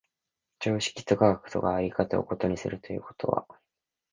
常識と科学とが在り方を異にするということは、